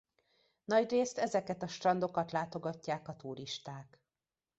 Nagyrészt ezeket a strandokat látogatják a turisták.